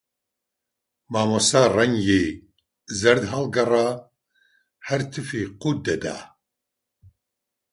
مامۆستا ڕەنگی زەرد هەڵگەڕا، هەر تفی قووت دەدا